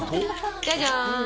じゃじゃーん。